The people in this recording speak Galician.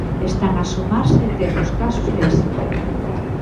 Están a sumarse e temos casos de éxito.